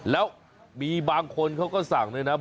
แล้วมีบางคนเขาก็สั่งนะบะว่า